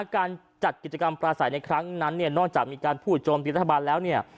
การจัดกิจกรรมปลาสายในครั้งนั้นนอกจากมีการพูดโจมติรัฐบาลแล้ว